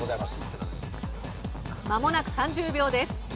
まもなく３０秒です。